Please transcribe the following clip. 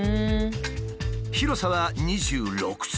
広さは２６坪。